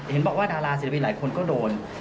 เห็นบอกว่าดาราศิลปินหลายคนก็โดน